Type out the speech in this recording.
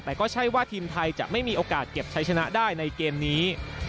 แต่ก็ใช่ว่าทีมไทยจะไม่มีโอกาสเก็บใช้ชนะได้ในเกมนี้